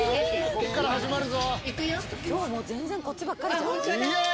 ここから始まるぞ。